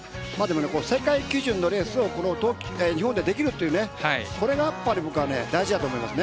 世界基準のレースをこの日本でできるというそれが僕は大事だと思います。